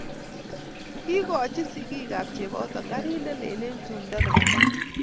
Kiikochi sigiikab cheboto gariit ne lel eng tumdo nebo tai.